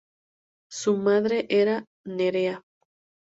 Su madre era Neera.